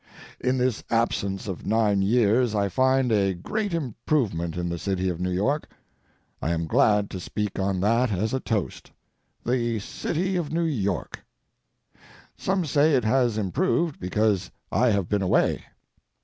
In this absence of nine years I find a great improvement in the city of New York. I am glad to speak on that as a toast—"The City of New York." Some say it has improved because I have been away.